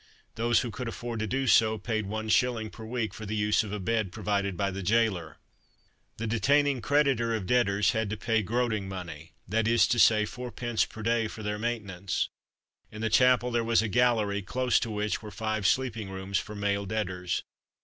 Those who could afford to do so, paid ls. per week for the use of a bed provided by the gaoler. The detaining creditor of debtors had to pay "groating money," that is to say, 4d. per day for their maintenance. In the chapel there was a gallery, close to which were five sleeping rooms for male debtors.